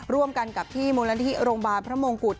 ร่วมกันกับที่มูลนิธิโรงพยาบาลพระมงกุฎ